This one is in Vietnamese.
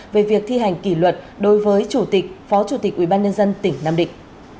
về việc thi hành kỷ luật đối với chủ tịch phó chủ tịch ubnd tỉnh nam định